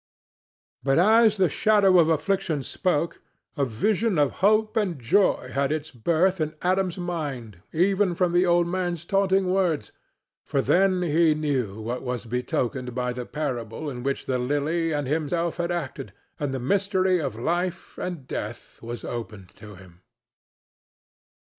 But as the shadow of Affliction spoke a vision of hope and joy had its birth in Adam's mind even from the old man's taunting words, for then he knew what was betokened by the parable in which the Lily and himself had acted, and the mystery of life and death was opened to him.